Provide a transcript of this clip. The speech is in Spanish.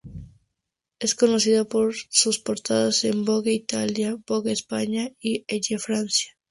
Es conocida por sus portadas en "Vogue Italia", "Vogue España", y "Elle Francia".